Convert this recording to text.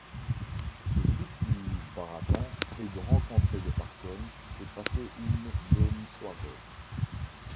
Le but du barathon est de rencontrer des personnes et passer une bonne soirée.